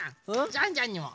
ジャンジャンにも！